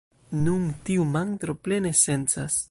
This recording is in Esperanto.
Nun, tiu mantro plene sencas.